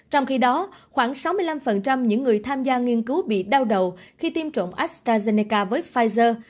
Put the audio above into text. trong khi đó khoảng sáu mươi năm những người tham gia nghiên cứu bị đau đầu khi tiêm chủng astrazeneca với pfizer